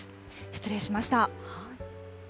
失礼しました。